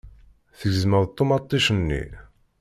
Tgezmeḍ ṭumaṭic-nni.